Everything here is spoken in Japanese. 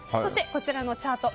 こちらのチャート